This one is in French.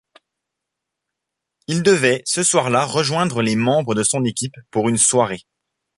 Il devait ce soir-là rejoindre les membres de son équipe pour une soirée.